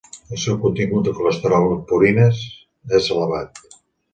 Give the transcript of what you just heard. El seu contingut de colesterol i en purines és elevat.